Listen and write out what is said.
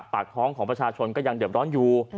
ปากท้องของประชาชนก็ยังเดือบร้อนอยู่